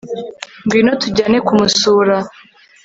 Ngwino tujyane kumusura